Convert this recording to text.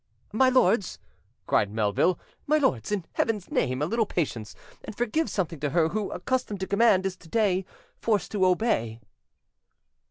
"My lords," cried Melville, "my lords, in Heaven's name, a little patience, and forgive something to her who, accustomed to command, is today forced to obey."